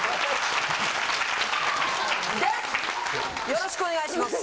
よろしくお願いします。